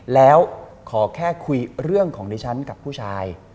แล้วขอแค่คุยเรื่องของดิฉันกับผู้ชาย